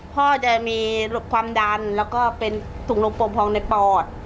พ่อจะมีความดันแล้วก็เป็นถุงลมปมพองในปอด